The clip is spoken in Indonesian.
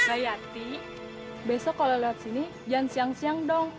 mbak yati besok kalau lihat sini jangan siang siang dong